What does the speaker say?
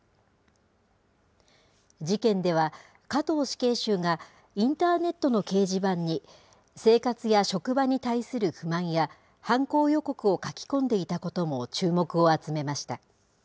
事件では、加藤死刑囚がインターネットの掲示板に、生活や職場に対する不満や、犯行予告を書き込んでいたことも注目を集めました。